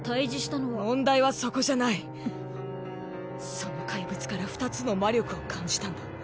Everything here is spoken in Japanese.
その怪物から２つの魔力を感じたんだ。